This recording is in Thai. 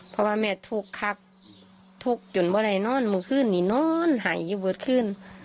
เพราะว่าแม่ทุกขับทุกจนไม่ได้นอนมันขึ้นนี่นอนหายอยู่เบิดขึ้น